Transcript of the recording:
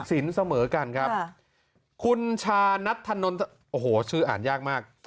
สินเสมอกันครับคุณชานัทธนนท์โอ้โหชื่ออ่านยากมาก